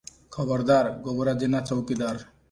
'ଖବରଦାର! ଗୋବରା ଜେନା ଚଉକିଦାର ।'